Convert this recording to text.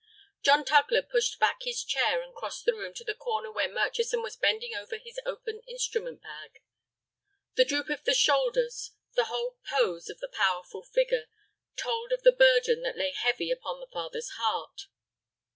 John Tugler pushed back his chair, and crossed the room to the corner where Murchison was bending over his open instrument bag. The droop of the shoulders, the whole pose of the powerful figure, told of the burden that lay heavy upon the father's heart.